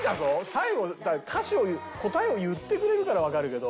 最後歌詞を答えを言ってくれるからわかるけど。